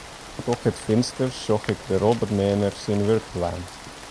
Troch it finster sjoch ik de robotmeaner syn wurk dwaan.